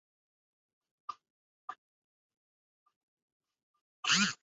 在晋官至安西参军。